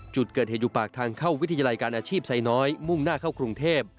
จุดเกิดเหตุอยู่ปากทางเข้าวิทยาลัยการอาชีพไซน้อยมุ่งหน้าเข้ากรุงเทพ